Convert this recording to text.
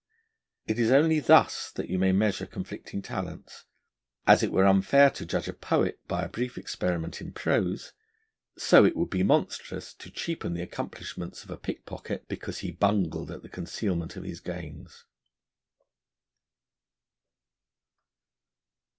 It is only thus that you may measure conflicting talents: as it were unfair to judge a poet by a brief experiment in prose, so it would be monstrous to cheapen the accomplishments of a pickpocket, because he bungled at the concealment of his gains.